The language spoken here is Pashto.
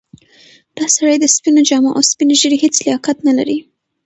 دا سړی د سپینو جامو او سپینې ږیرې هیڅ لیاقت نه لري.